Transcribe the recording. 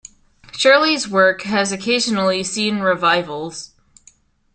Shirley's work has occasionally seen revivals.